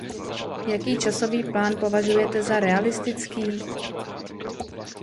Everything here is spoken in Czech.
Jaký časový plán považujete za realistický?